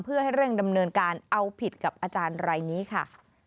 เพื่อให้เร่งดำเนินการเอาผิดกับอาจารย์รายนี้ค่ะ